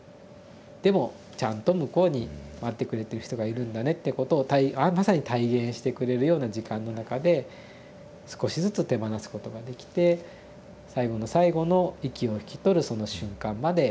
でもちゃんと向こうに待ってくれてる人がいるんだねってことをまさに体現してくれるような時間の中で少しずつ手放すことができて最期の最期の息を引き取るその瞬間まで家族で見守ることが。